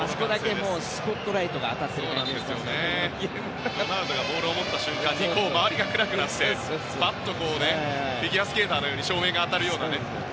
ロナウドがボールを持った瞬間に周りが暗くなってフィギュアスケーターのように照明が当たるような。